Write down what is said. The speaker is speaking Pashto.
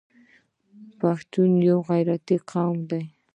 پښتون یو غیرتي قوم دی.